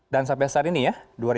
dan sampai saat ini ya